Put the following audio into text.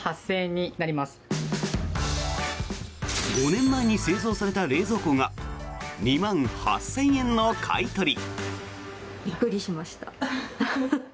５年前に製造された冷蔵庫が２万８０００円の買い取り。